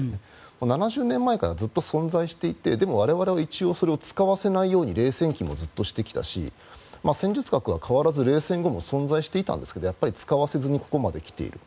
７０年前からずっと存在していてでも我々は一応、それを使わせないように冷戦期もずっとしてきたし戦術核は変わらず冷戦後も存在していたんですけど使わせずにここまで来ている。